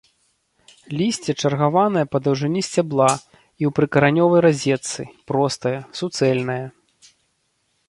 Лісце чаргаванае па даўжыні сцябла і ў прыкаранёвай разетцы, простае, суцэльнае.